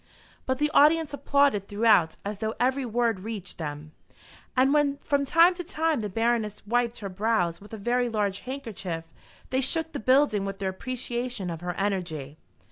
But the audience applauded throughout as though every word reached them; and when from time to time the Baroness wiped her brows with a very large handkerchief, they shook the building with their appreciation of her energy.